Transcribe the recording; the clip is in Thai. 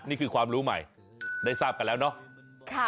นี่คือความรู้ใหม่ได้ทราบกันแล้วเนาะ